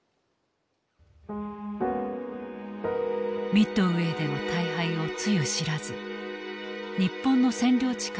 ミッドウェーでの大敗をつゆ知らず日本の占領地拡大に喝采を送っていた。